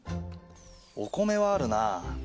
お米はあるな。